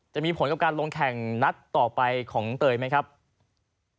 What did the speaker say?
จะมีผลกับการลงแข่งนัดต่อไปของเตยไหมครับ